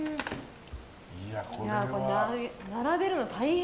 並べるの大変。